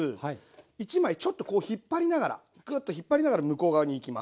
１枚ちょっとこう引っ張りながらクッと引っ張りながら向こう側にいきます。